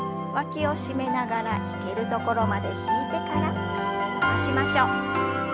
わきを締めながら引けるところまで引いてから伸ばしましょう。